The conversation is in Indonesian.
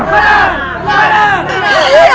benar benar benar